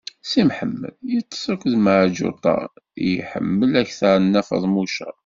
Si Mḥemmed iṭṭeṣ akked Meɛǧuṭa i yeḥemmel akteṛ n Nna Feḍmuca.